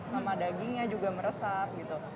nama dagingnya juga meresap gitu